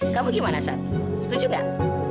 kamu gimana sah setuju nggak